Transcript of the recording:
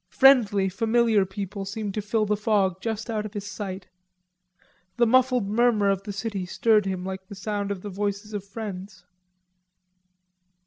Friendly, familiar people seemed to fill the fog just out of his sight. The muffled murmur of the city stirred him like the sound of the voices of friends.